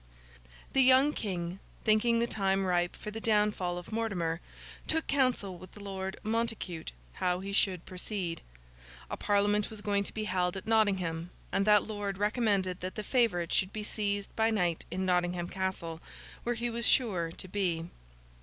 The young King, thinking the time ripe for the downfall of Mortimer, took counsel with Lord Montacute how he should proceed. A Parliament was going to be held at Nottingham, and that lord recommended that the favourite should be seized by night in Nottingham Castle, where he was sure to be.